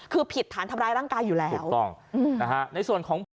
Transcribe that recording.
คือผิดฐานทำร้ายร่างกายอยู่แล้วถูกต้องนะฮะ